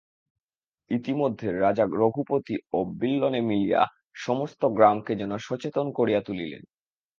ইতিমধ্যে রাজা রঘুপতি ও বিল্বনে মিলিয়া সমস্ত গ্রামকে যেন সচেতন করিয়া তুলিলেন।